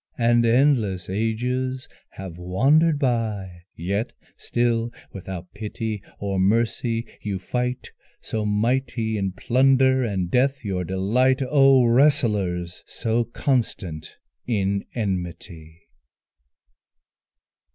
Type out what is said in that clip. And endless ages have wandered by, Yet still without pity or mercy you fight, So mighty in plunder and death your delight: Oh wrestlers! so constant in enmity!